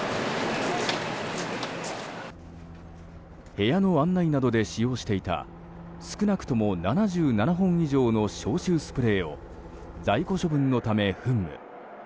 部屋の案内などで使用していた少なくとも７７本以上の消臭スプレーを在庫処分のため噴霧。